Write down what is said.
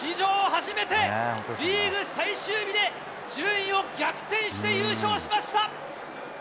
初めて、リーグ最終日で順位を逆転して優勝しました！